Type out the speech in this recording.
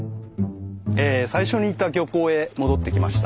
最初に行った漁港へ戻ってきました。